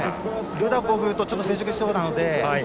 ルダコフとちょっと接触しそうなので。